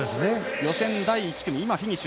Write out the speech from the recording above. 予選第１組、フィニッシュ。